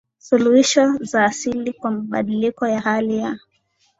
Suluhisho za asili kwa mabadiliko ya hali ya